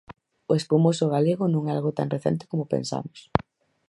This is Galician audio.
O espumoso galego non é algo tan recente como pensamos.